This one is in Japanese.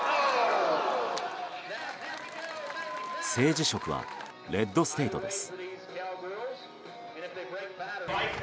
政治色はレッドステイトです。